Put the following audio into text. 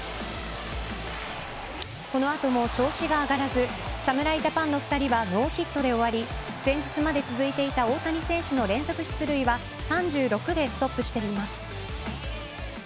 この後も調子が上がらず侍ジャパンの２人はノーヒットで終わり前日まで続いていた大谷選手の連続出塁は３６でストップしています。